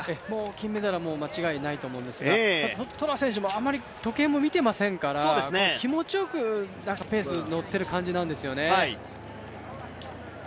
金メダルは間違いないと思いますがただトラ選手もあまり時計を見ていませんから気持ちよく、ペースに乗っている感じなんですよね。